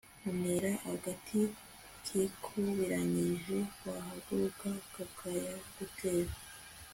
unera agati kikubiranyije wahaguruka kakayagutera